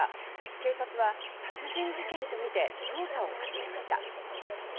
警察は殺人事件とみて捜査を始めました。